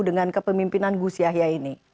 dengan kepemimpinan gus yahya ini